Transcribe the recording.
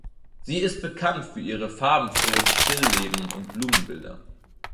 Sie ist bekannt für ihre farbenfrohen Still-Leben und Blumenbilder.